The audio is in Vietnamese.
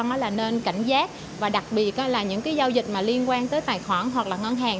người dân nên cảnh giác và đặc biệt là những giao dịch liên quan tới tài khoản hoặc ngân hàng